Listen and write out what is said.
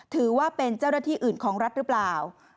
ถือว่าเป็นเจ้าหน้าที่อื่นของรัฐหรือเปล่า